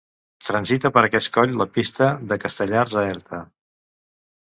Transita per aquest coll la pista de Castellars a Erta.